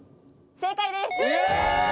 正解です！